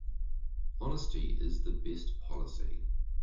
Honesty is the best policy.